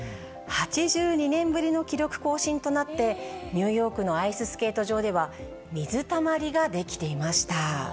８２年ぶりの記録更新となって、ニューヨークのアイススケート場では、水たまりが出来ていました。